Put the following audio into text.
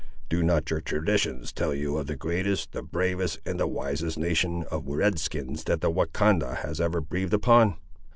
"Do not your traditions tell you of the greatest, the bravest, and the wisest nation of Red skins that the Wahcondah has ever breathed upon?"